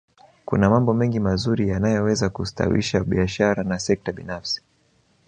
kuna mambo mengi mazuri yanayoweza kustawisha biashara na sekta binafsi